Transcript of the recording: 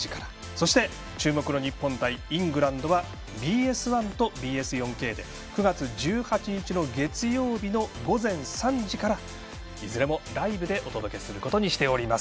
そして、注目の日本対イングランドはＢＳ１とＢＳ４Ｋで９月１８日の月曜日の午前３時からいずれもライブでお届けすることにしております。